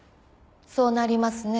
そうなりますね。